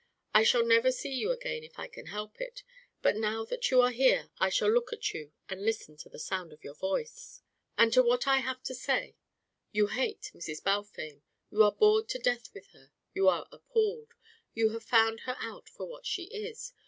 I shall never see you again if I can help it, but now that you are here I shall look at you and listen to the sound of your voice." "And to what I have to say. You hate Mrs. Balfame. You are bored to death with her. You are appalled. You have found her out for what she is.